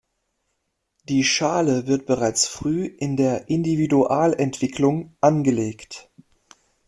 Die Schale wird bereits früh in der Individualentwicklung angelegt.